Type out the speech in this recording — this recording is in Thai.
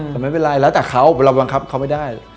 แต่ไม่เป็นไรแล้วแต่เขาเราบังคับเขาไม่ได้